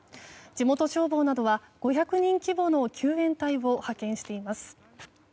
地元消防などは５００人規模の救援隊を派遣しています。